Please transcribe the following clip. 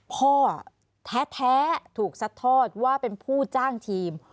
พ่อแท้ถูกซัดทอดว่าเป็นผู้จ้างทีม